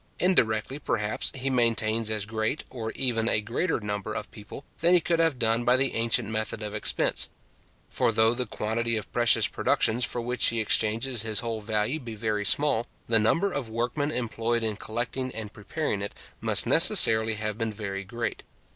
Indirectly, perhaps, he maintains as great, or even a greater number of people, than he could have done by the ancient method of expense. For though the quantity of precious productions for which he exchanges his whole revenue be very small, the number of workmen employed in collecting and preparing it must necessarily have been very great.